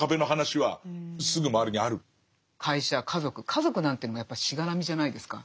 家族なんていうのもやっぱりしがらみじゃないですか。